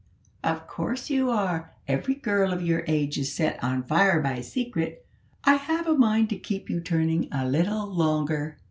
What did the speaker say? "Of course you are; every girl of your age is set on fire by a secret. I have a mind to keep you turning a little longer."